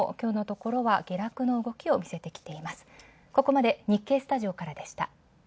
ここまで日経スタジオからでした。